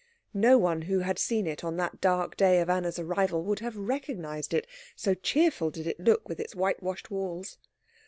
No one who had seen it on that dark day of Anna's arrival would have recognised it, so cheerful did it look with its whitewashed walls.